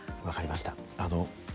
分かりました。